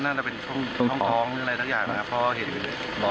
๒นัดครับ